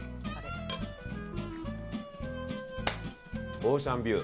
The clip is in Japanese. オーシャンビュー。